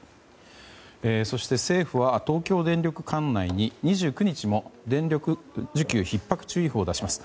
そして政府は東京電力管内に２９日も電力需給ひっ迫注意報を出します。